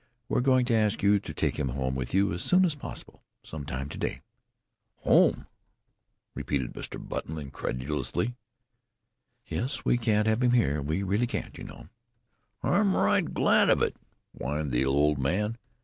We're going to ask you to take him home with you as soon as possible some time to day." "Home?" repeated Mr. Button incredulously. "Yes, we can't have him here. We really can't, you know?" "I'm right glad of it," whined the old man.